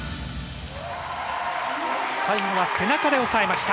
最後は背中でおさえました。